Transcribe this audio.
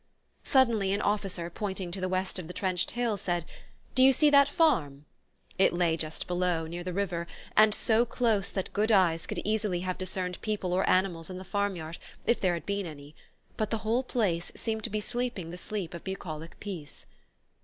Suddenly an officer, pointing to the west of the trenched hill said: "Do you see that farm?" It lay just below, near the river, and so close that good eyes could easily have discerned people or animals in the farm yard, if there had been any; but the whole place seemed to be sleeping the sleep of bucolic peace.